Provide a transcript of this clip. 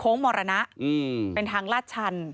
โค้กมรณะเป็นทางราชฉัน